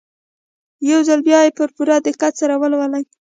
يو ځل بيا يې په پوره دقت سره ولولئ.